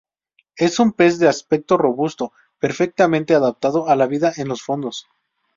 Es un pez de aspecto robusto perfectamente adaptado a la vida en los fondos.